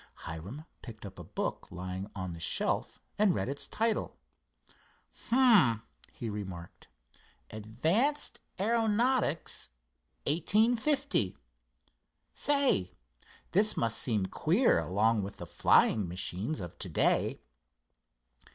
Hiram picked up a book lying on the shelf and read its title. "H'm," he remarked, "'Advanced Aeronautics—1850.' Say, this must seem queer along with the flying machines of to day."